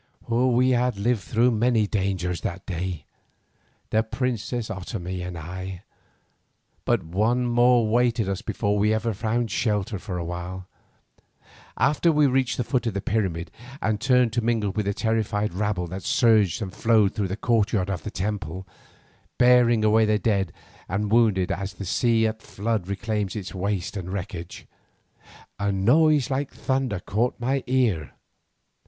We had lived through many dangers that day, the princess Otomie and I, but one more awaited us before ever we found shelter for awhile. After we had reached the foot of the pyramid and turned to mingle with the terrified rabble that surged and flowed through the courtyard of the temple, bearing away the dead and wounded as the sea at flood reclaims its waste and wreckage, a noise like thunder caught my ear.